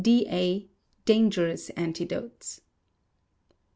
D.A., dangerous antidotes.